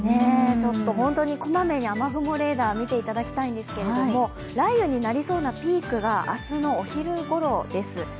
本当に小まめに雨雲レーダーを見ていただきたいんですけれども、雷雨になりそうなピークが明日のお昼ごろです。